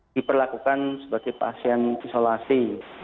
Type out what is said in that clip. diperlakukan sebagai pasien isolasi